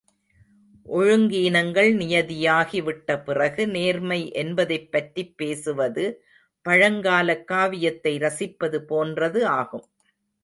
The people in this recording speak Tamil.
ஒழுங்கீனங்கள் நியதியாகி விட்ட பிறகு நேர்மை என்பதைப் பற்றிப் பேசுவது பழங்காலக் காவியத்தை ரசிப்பது போன்றது ஆகும்.